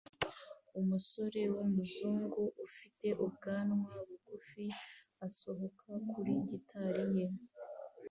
Umusore w'umuzungu ufite ubwanwa bugufi asohoka kuri gitari ye